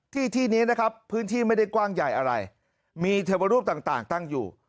ที่ที่นี้นะครับพื้นที่ไม่ได้กว้างใหญ่อะไรมีเทวรูปต่างตั้งอยู่